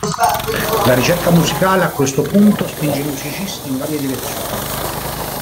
La ricerca musicale a questo punto spinge i musicisti in varie direzioni.